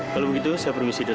kalau begitu saya permisi dulu